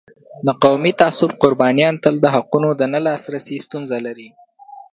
د قومي تعصب قربانیان تل د حقونو د نه لاسرسی ستونزه لري.